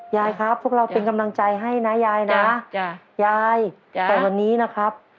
ยายครับพวกเราเป็นกำลังใจให้นะยายนะยายแต่วันนี้นะครับ